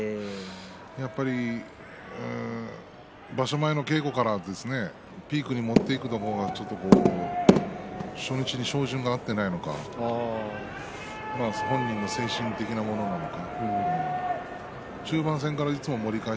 やっぱり場所前の稽古からピークに持っていくのがちょっと初日に照準が合っていないのか本人の精神的なものなのか変化。